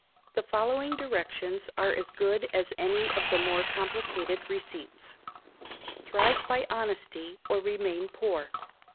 The following directions are as good as any of the more complicated receipts: [THRIVE BY HONESTY, OR REMAIN POOR.